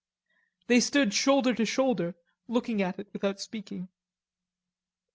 They stood shoulder to shoulder, looking at it without speaking.